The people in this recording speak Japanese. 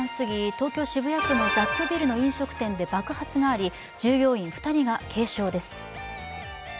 東京・渋谷区の雑居ビルの飲食店で爆発があり、従業員２人が軽傷です。